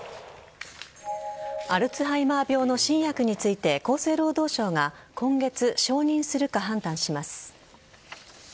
アルツハイマー病の新薬について厚生労働省が今月承認するか判断します。